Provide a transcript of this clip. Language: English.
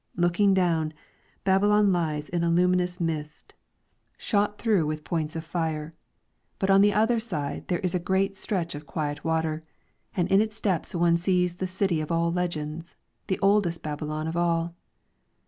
Looking down, Babylon lies in a luminous mist shot through with ix LYRICS FROM THE CHINESE points of fire; but on the other side there is a great stretch of quiet water, and in its depths one sees the city of all legends, the oldest Babylon of all.